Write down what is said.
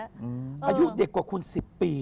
อายุเด็กกว่าคุณ๑๐ปี